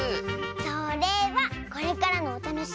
それはこれからのおたのしみ！